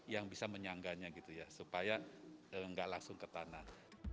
yang bisa menyangganya gitu ya supaya nggak langsung ke tanah